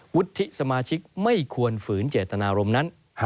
วุฒิสมาชิกไม่ควรฝืนเจตนารมณ์นั้น